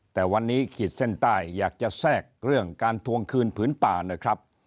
แต่วันนี้ขีดเส้นใต้อยากจะแทรกเรื่องการทวงคืนผืนป่านะครับ